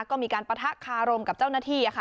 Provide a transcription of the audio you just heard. ก็มีการปะทะคารมกับเจ้าหน้าที่